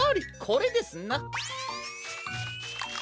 これですな！